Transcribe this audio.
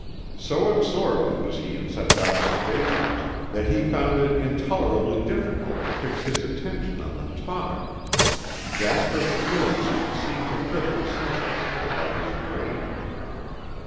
So absorbed was he in such observations that he found it intolerably difficult to fix his attention on the talk. Jasper's fluency seemed to ripple senselessly about his brain.